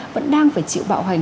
vẫn đang phải chịu bạo hành